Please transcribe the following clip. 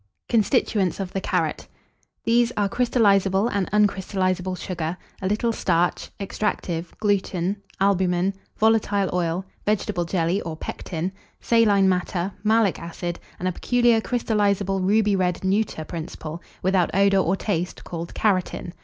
CONSTITUENTS OF THE CARROT. These are crystallizable and uncrystallizable sugar, a little starch, extractive, gluten, albumen, volatile oil, vegetable jelly, or pectin, saline matter, malic acid, and a peculiar crystallizable ruby red neuter principle, without odour or taste, called carotin.